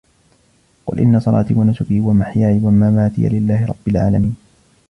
قل إن صلاتي ونسكي ومحياي ومماتي لله رب العالمين